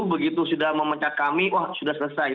begitu sudah memecat kami wah sudah selesai